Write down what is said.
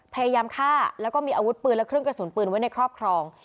พยายามฆ่าแล้วก็มีอาวุธปืนและเครื่องกระสุนปืนไว้ในครอบครอง